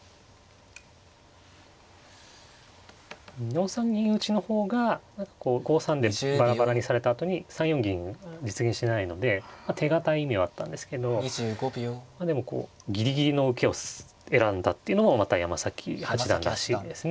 ４三銀打の方が何かこう５三でバラバラにされたあとに３四銀実現しないので手堅い意味はあったんですけどまあでもギリギリの受けを選んだっていうのもまた山崎八段らしいですね。